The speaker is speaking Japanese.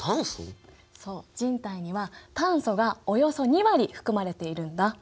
そう人体には炭素がおよそ２割含まれているんだ。